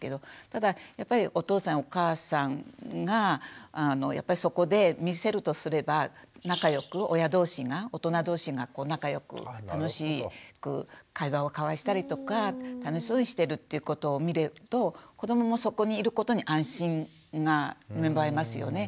ただやっぱりお父さんやお母さんがそこで見せるとすれば仲良く親同士が大人同士が仲良く楽しく会話を交わしたりとか楽しそうにしてるっていうことを見ると子どももそこにいることに安心が芽生えますよね。